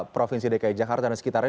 provinsi dki jakarta dan sekitarnya